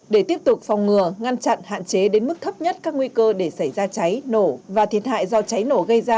để tiếp tục phòng ngừa ngăn chặn hạn chế đến mức thấp nhất các nguy cơ để xảy ra cháy nổ và thiệt hại do cháy nổ gây ra